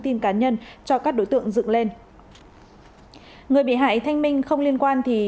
tin cá nhân cho các đối tượng dựng lên người bị hại thanh minh không liên quan thì